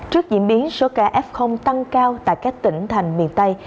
trước diễn biến số ca f tăng cao tại các tỉnh thành miền tây